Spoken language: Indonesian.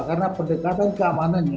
karena pendekatan keamanannya